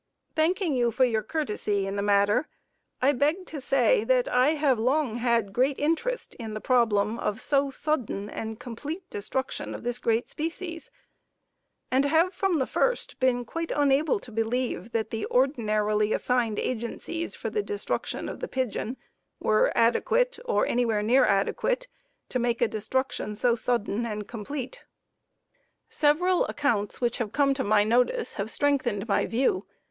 Thanking you for your courtesy in the matter, I beg to say that I have long had great interest in the problem of the so sudden and complete destruction of this great species, and have from the first been quite unable to believe that the ordinarily assigned agencies for the destruction of the pigeon were adequate, or anywhere near adequate, to make a destruction so sudden and complete. Several accounts which have come to my notice have strengthened my view.